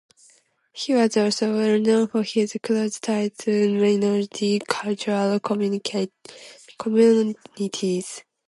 He was also well known for his close ties to minority "cultural communities".